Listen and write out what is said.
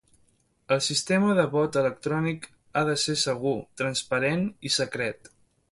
El sistema de vot electrònic ha de ser segur, transparent i secret.